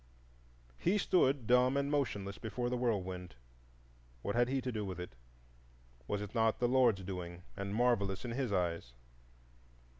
He stood dumb and motionless before the whirlwind: what had he to do with it? Was it not the Lord's doing, and marvellous in his eyes?